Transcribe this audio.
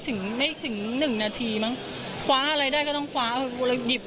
พูดสิทธิ์ข่าวธรรมดาทีวีรายงานสดจากโรงพยาบาลพระนครศรีอยุธยาครับ